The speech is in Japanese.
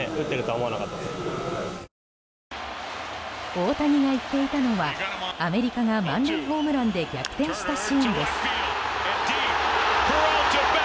大谷が言っていたのはアメリカが満塁ホームランで逆転したシーンです。